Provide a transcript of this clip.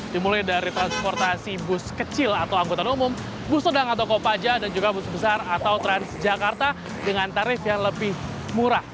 dimulai dari transportasi bus kecil atau anggota umum bus sedang atau kopaja dan juga bus besar atau transjakarta dengan tarif yang lebih murah